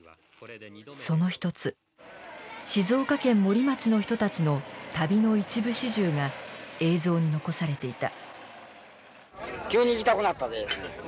その一つ静岡県森町の人たちの旅の一部始終が映像に残されていた。